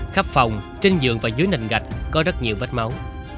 khắp phòng trên giường và dưới nền gạch có rất nhiều vết máu